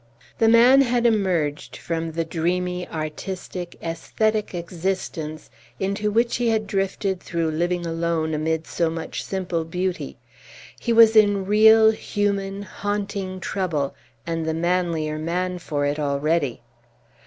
The man had emerged from the dreamy, artistic, aesthetic existence into which he had drifted through living alone amid so much simple beauty; he was in real, human, haunting trouble, and the manlier man for it already.